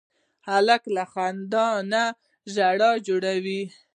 هلک له خندا نه ژوند جوړوي.